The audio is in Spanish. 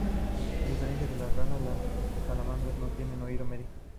A diferencia de las ranas, las salamandras no tienen oído medio.